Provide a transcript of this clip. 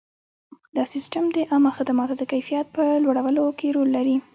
دا سیستم د عامه خدماتو د کیفیت په لوړولو کې رول لري.